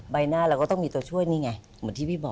ใบหน้าเราก็ต้องมีตัวช่วยนี่ไงเหมือนที่พี่บอก